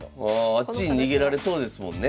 あっちに逃げられそうですもんね。